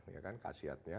ya kan kasiatnya